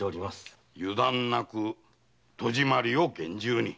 油断なく戸締まりを厳重に。